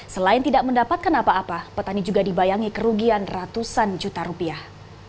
selain tidak mendapatkan apa apa petani juga dibayangi kerugian ratusan juta rupiah